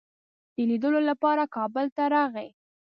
د لیدلو لپاره کابل ته راغی.